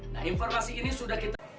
nah informasi ini sudah kita